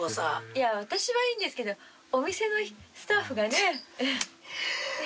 いや私はいいんですけどお店のスタッフがね。